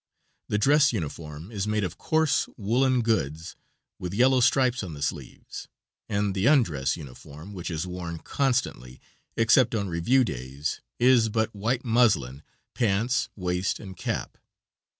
The dress uniform is made of coarse woolen goods, with yellow stripes on the sleeves; and the undress uniform, which is worn constantly except on review days, is but white muslin, pants, waist and cap.